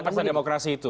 dalam pasal demokrasi itu